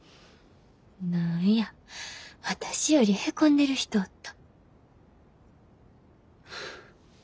何や私よりへこんでる人おった。